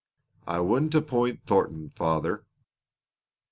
"I wouldn't appoint Thornton, father!"